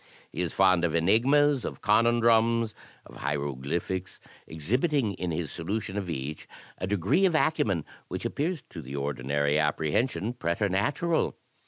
He is fond of enigmas, of conundrums, of hieroglyphics; exhibiting in his solution of each a degree of acumen which appears to the ordinary apprehension preternatural.